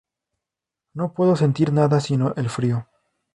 No puedo sentir nada sino el frío.